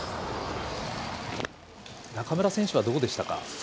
中村選手はどうでしたか？